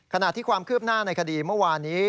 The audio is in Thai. ขณะที่ความคืบหน้าในคดีเมื่อวานี้